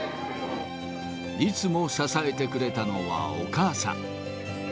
いつも支えてくれたのはお母さん。